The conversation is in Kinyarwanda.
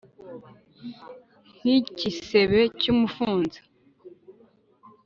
nkigisebe cyumufunzo.